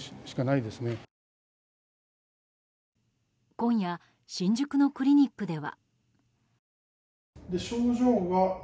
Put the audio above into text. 今夜新宿のクリニックでは。